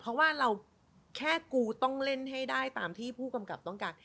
เพราะว่าเราแค่กูต้องเล่นให้ได้ตามที่ผู้กำกับต้องการ